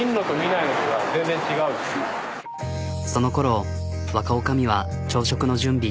そのころ若おかみは朝食の準備。